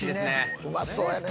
うまそうやね。